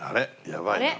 やばいな。